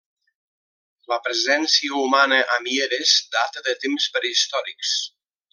La presència humana a Mieres data de temps prehistòrics.